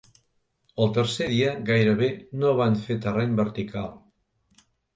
El tercer dia, gairebé no van fer terreny vertical.